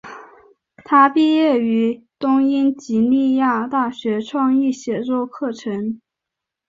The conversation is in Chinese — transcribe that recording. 她毕业于东英吉利亚大学创意写作课程。